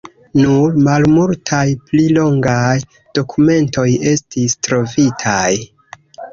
Nur malmultaj pli longaj dokumentoj estis trovitaj.